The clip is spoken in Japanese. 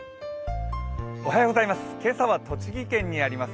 今朝は栃木県にあります